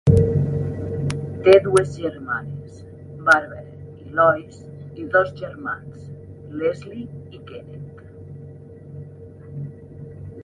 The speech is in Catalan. Té dues germanes, Barbara i Lois, i dos germans, Leslie i Kenneth.